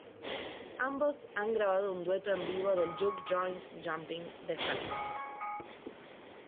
Ambos han grabado un dueto en vivo del "Juke Joint Jumpin'" de Hancock.